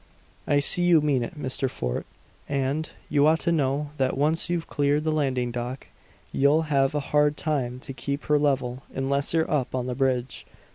"I see you mean it, Mr. Fort. And you ought to know that once you've cleared the landing dock, you'll have a hard time to keep her level unless you're up on the bridge.